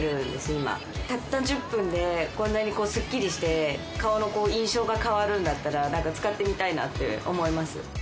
今たった１０分でこんなにこうスッキリして顔のこう印象が変わるんだったら何か使ってみたいなって思います